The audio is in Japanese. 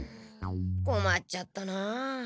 こまっちゃったなあ。